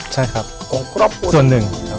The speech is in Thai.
ใช่ครับส่วนหนึ่งครับ